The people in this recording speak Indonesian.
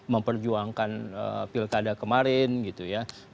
memperjuangkan pilkada kemarin gitu ya